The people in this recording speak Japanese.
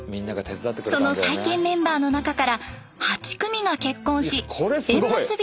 その再建メンバーの中から８組が結婚し縁結び